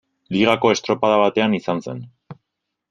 Ligako estropada batean izan zen.